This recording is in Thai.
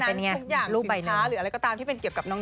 สินค้าหรืออะไรก็ตามที่เป็นเกี่ยวกับน้อง